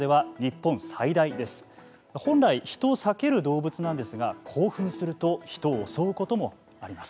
本来、人を避ける動物なんですが興奮すると人を襲うこともあります。